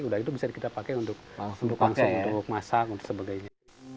udah itu bisa kita pakai untuk langsung untuk masak dan sebagainya